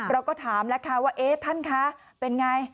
เราก็ถามแล้วค่ะว่าท่านค่ะเป็นยังไง